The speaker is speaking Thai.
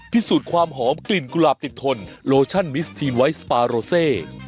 พิสูจน์ความหอมกลิ่นกุหลาบติดทนโลชั่นมิสทีนไวท์สปาโรเซ